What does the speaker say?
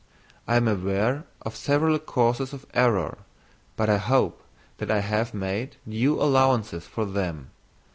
I am aware of several causes of error, but I hope that I have made due allowances for them.